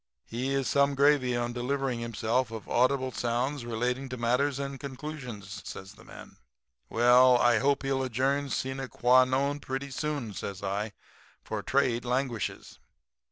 He is some gravy on delivering himself of audible sounds relating to matters and conclusions,' says the man. "'Well, I hope he'll adjourn, sine qua non, pretty soon,' says I, 'for trade languishes.'